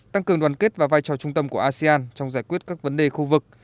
tăng cường đoàn kết và vai trò trung tâm của asean trong giải quyết các vấn đề khu vực